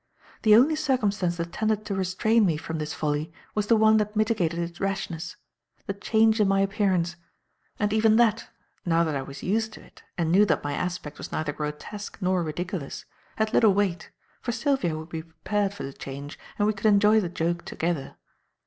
The only circumstance that tended to restrain me from this folly was the one that mitigated its rashness the change in my appearance; and even that, now that I was used to it and knew that my aspect was neither grotesque nor ridiculous, had little weight, for Sylvia would be prepared for the change and we could enjoy the joke together.